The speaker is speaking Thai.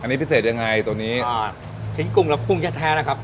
อันนี้พิเศษยังไงตัวนี้ชิ้นกุ้งและกุ้งแท้นะครับ